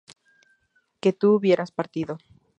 que tu hubieras partido